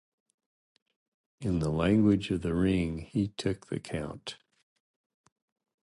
In the language of the ring, he took the count.